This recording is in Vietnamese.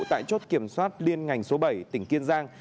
tại chốt kiểm soát liên ngành số bảy tỉnh kiên giang